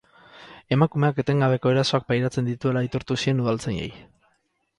Emakumeak etengabeko erasoak pairatzen dituela aitortu zien udaltzainei.